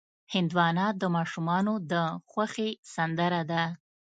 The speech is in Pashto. هندوانه د ماشومانو د خوښې سندره ده.